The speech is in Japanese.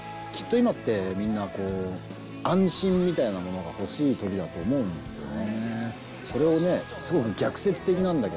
今ってみんな安心みたいなものが欲しい時だと思うんですよね